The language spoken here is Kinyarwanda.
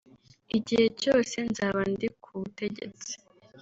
igihe cyose nzaba ndi ku butegetsi